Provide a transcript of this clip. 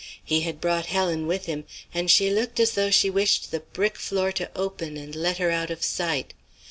He had brought Helen with him, and she looked as though she wished the brick floor to open and let her out of sight.